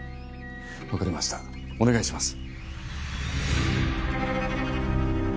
分かりましたお願いします